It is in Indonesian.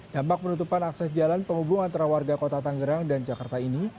dampak penutupan akses jalan penghubung antara warga kota tangerang dan jakarta ini